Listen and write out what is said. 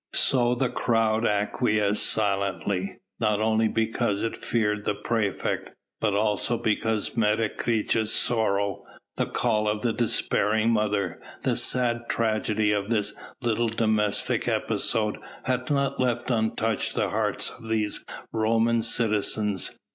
So the crowd acquiesced silently, not only because it feared the praefect, but also because Menecreta's sorrow, the call of the despairing mother, the sad tragedy of this little domestic episode had not left untouched the hearts of these Roman citizens.